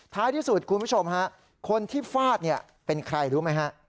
ที่สุดคุณผู้ชมฮะคนที่ฟาดเนี่ยเป็นใครรู้ไหมฮะ